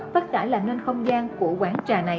phát trải làm nên không gian của quán trà này